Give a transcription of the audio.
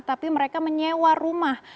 tapi mereka menyewa rumah